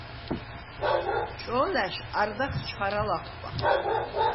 ჭო̄ლა̈შ არდახ ჩხარა ლახვბა.